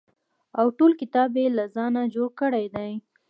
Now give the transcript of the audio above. او ټول کتاب یې له ځانه جوړ کړی دی.